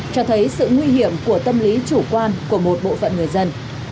cho thấy sự nguy hiểm của tâm lý chủ quan của một bộ phận người dân